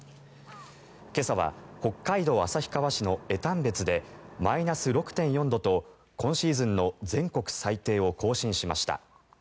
今朝は北海道旭川市の江丹別でマイナス６．４度と今シーズンの全国最低を更新しました。